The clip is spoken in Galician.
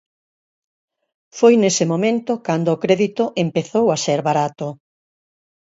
Foi nese momento cando o crédito empezou a ser barato.